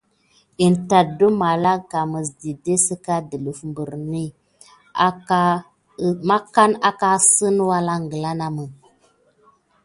In tat də malaka məs dide səka dələf maɓanbi man aka əsən walangla namə.